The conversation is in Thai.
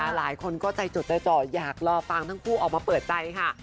หลายคนก็ใจจดใจจ่ออยากรอฟังทั้งคู่ออกมาเปิดใจค่ะ